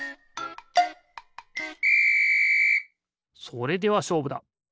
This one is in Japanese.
それではしょうぶだ！